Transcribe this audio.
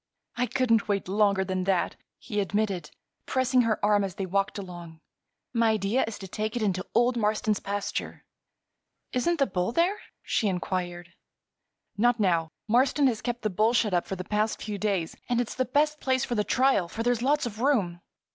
"I couldn't wait longer than that," he admitted, pressing her arm as they walked along. "My idea is to take it into old Marston's pasture." "Isn't the bull there?" she inquired. "Not now. Marston has kept the bull shut up the past few days. And it's the best place for the trial, for there's lots of room."